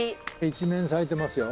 一面咲いてますよ。